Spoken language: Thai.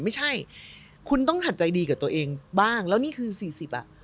ไม่ใช่คุณต้องหัดใจดีกับตัวเองบ้างแล้วนี่คือสี่สิบอ่ะ